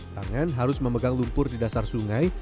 tangan harus memegang lumpur di dasar sungai